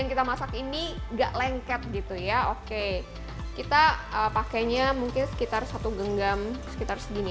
yang kita masak ini enggak lengket gitu ya oke kita pakainya mungkin sekitar satu genggam sekitar segini